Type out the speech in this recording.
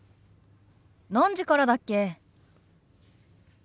何時からだっけ？